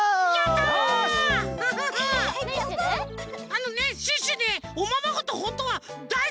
あのね